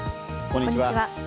こんにちは。